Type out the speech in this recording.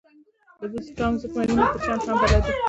د ټانک ضد ماينونو په چم يې هم بلد کړم.